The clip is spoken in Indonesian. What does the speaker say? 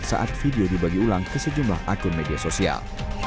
saat video dibagi ulang ke sejumlah akun media sosial